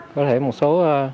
có thể một số